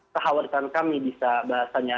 kekhawatiran kami bisa bahasanya